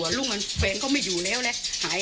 วันที่๒๐วันลุงก็ไม่อยู่แล้วแหละ